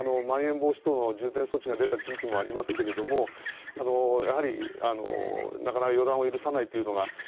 まん延防止等の重点措置が出た地域もありますがやはり、なかなか予断を許さないというのが。